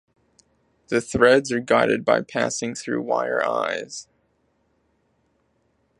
The threads are guided by passing through wire eyes.